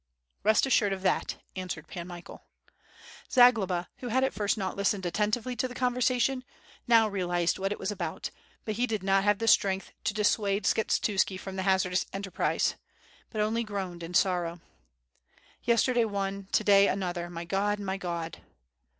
"Rest assured of that," answered Pan Michael. Zagloba who at first had not listened attentively to the conversation, now realized what is was about, but he did not have the strength to dissuade Skshetuski from the hazardous enterprise, he only groaned in sorrow: "Yesterday one, to day another, my God! my God!